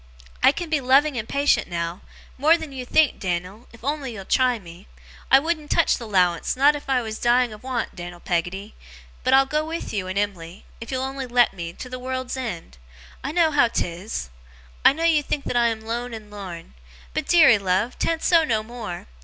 I can be loving and patient now more than you think, Dan'l, if you'll on'y try me. I wouldn't touch the 'lowance, not if I was dying of want, Dan'l Peggotty; but I'll go with you and Em'ly, if you'll on'y let me, to the world's end! I know how 'tis; I know you think that I am lone and lorn; but, deary love, 'tan't so no more!